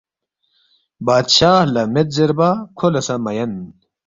“ بادشاہ لہ مید زیربا کھو لہ سہ مہ یَن